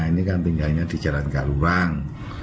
ini kan tinggalnya di jalan galurang